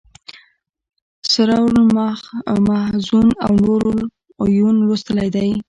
سرور المحزون او نور العیون لوستلی دی.